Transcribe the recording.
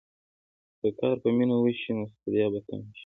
که کار په مینه وشي، نو ستړیا به کمه شي.